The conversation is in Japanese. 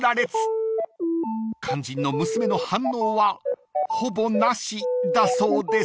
［肝心の娘の反応はほぼなしだそうです］